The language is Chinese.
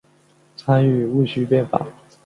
参与戊戌变法。